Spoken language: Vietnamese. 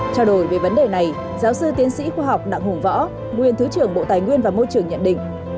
trao đổi về vấn đề này giáo sư tiến sĩ khoa học đặng hùng võ nguyên thứ trưởng bộ tài nguyên và môi trường nhận định